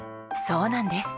そうなんです。